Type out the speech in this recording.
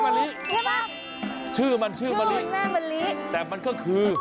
อ๋อแม่มะลิใช่ไหมครับชื่อมันแม่มะลิแต่มันก็คือ